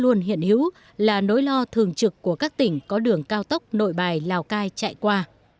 luôn hiện hữu là nỗi lo thường trực của các tỉnh có đường cao tốc nội bài lào cai chạy qua